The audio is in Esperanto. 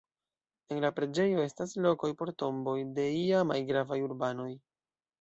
En la preĝejo estas lokoj por tomboj de iamaj gravaj urbanoj.